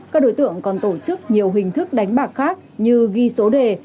các đối tượng còn tổ chức nhiều hình thức đánh bạc khác như ghi số đề